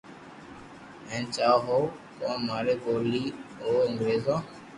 ھين چاھون ھون ڪو ماري ٻولي بو انگريزو